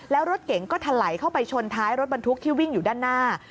แล้วรถเก๋งก็ถลายเข้าไปชนท้ายรถบรรทุกที่วิ่งอยู่ด้านหน้า